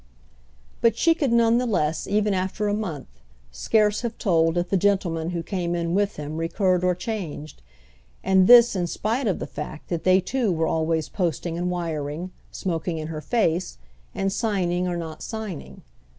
But she could none the less, even after a month, scarce have told if the gentlemen who came in with him recurred or changed; and this in spite of the fact that they too were always posting and wiring, smoking in her face and signing or not signing.